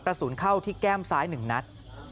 กระสุนเข้าที่แก้มซ้าย๑นัด